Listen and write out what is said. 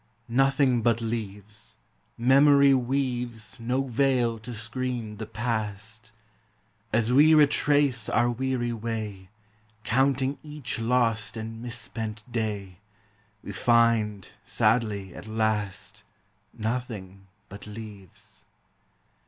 284: TEE HIGHER LIFE. Nothing but leaves; memory weaves No veil to screen the past: As we retrace our weary way, Counting each lost and misspent day, We find, sadly, at last, Nothing but leaves!